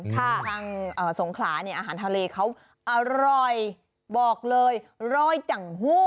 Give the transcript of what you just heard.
ทางสงขราอาหารทะเลเขาอร่อยบอกเลยอร่อยจังหู